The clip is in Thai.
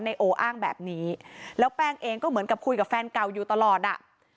โออ้างแบบนี้แล้วแป้งเองก็เหมือนกับคุยกับแฟนเก่าอยู่ตลอดอ่ะ